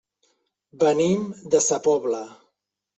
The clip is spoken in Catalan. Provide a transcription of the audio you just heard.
Venim de sa Pobla.